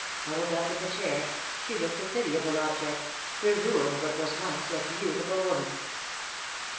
Huddled up in the chair, she looked a pitiable object the ruin of what was once a beautiful woman.